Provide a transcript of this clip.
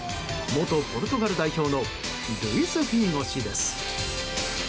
元ポルトガル代表のルイス・フィーゴ氏です。